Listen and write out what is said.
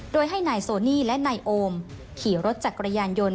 โดยให้นายโซนี่และนายโอมขี่รถจักรยานยนต์